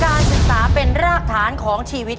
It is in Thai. ขอเชิญแสงเดือนมาต่อชีวิต